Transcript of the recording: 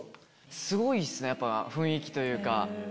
すごいっすねやっぱ雰囲気というか。